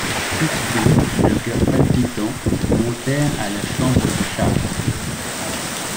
Toutes deux, le cœur palpitant, montèrent à la chambre de Charles.